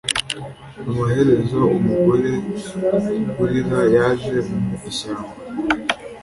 amaherezo, umugore urira yaje mu ishyamba